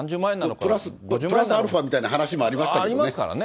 プラスアルファみたいな話もありましたけどね。